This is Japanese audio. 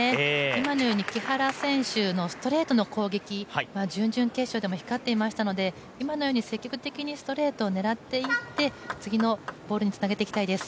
今のように木原選手のストレートの攻撃は準々決勝でも光っていましたので今のように積極的にストレートを狙っていって次のボールにつなげていきたいです。